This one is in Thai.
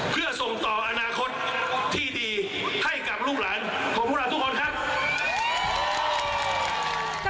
เพื่อส่งต่ออนาคตที่ดีให้กับลูกหลานของพวกเราทุกคนครับ